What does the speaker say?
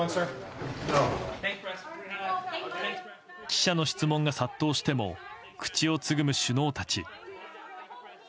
記者の質問が殺到しても口をつぐむ首脳たち。